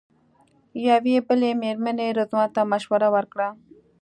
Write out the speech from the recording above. یوې بلې مېرمنې رضوان ته مشوره ورکړه.